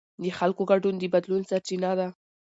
د خلکو ګډون د بدلون سرچینه ده